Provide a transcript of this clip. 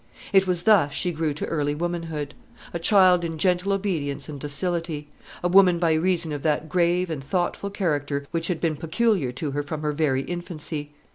It was thus she grew to early womanhood; a child in gentle obedience and docility; a woman by reason of that grave and thoughtful character which had been peculiar to her from her very infancy.